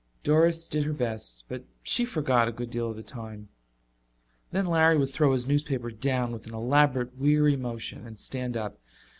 Doris did her best, but she forgot a good deal of the time. Then Larry would throw his newspaper down with an elaborate weary motion and stand up.